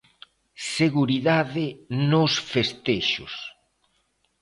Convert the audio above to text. Seguridade nos festexos.